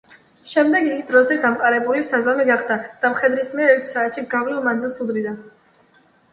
შემდეგ იგი დროზე დამყარებული საზომი გახდა და მხედრის მიერ ერთ საათში გავლილ მანძილს უდრიდა.